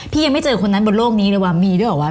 พี่ยังไม่เจอคนนั้นบนโลกนี้หรือว่ามีด้วยหรือเปล่า